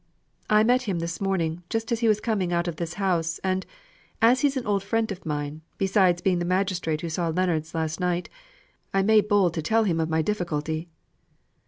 "I met him this morning, just as he was coming out of this house, and, as he's an old friend of mine, besides being the magistrate who saw Leonards last night, I made bold to tell him of my difficulty."